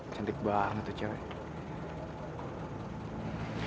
cantik banget tuh cewek